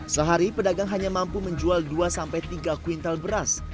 sehari pedagang hanya mampu menjual dua tiga kuintal beras